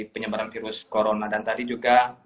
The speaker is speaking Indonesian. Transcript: penyebaran virus corona dan tadi juga